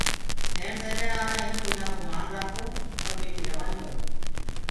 سيڻ سڃڻ آرآ هينٚ تو اُنا ڪو مان رآکو اور ٻٽي روآني ڪرو۔